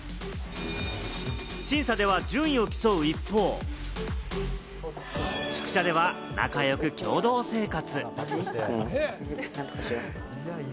審査では順位を競う一方、宿舎では仲良く共同生活。